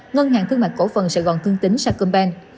ngân hàng thương mạc cổ phần sài gòn tương tính sacombank